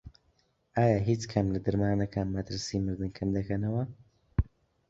ئایا هیچ کام لە دەرمانەکان مەترسی مردن کەمدەکەنەوە؟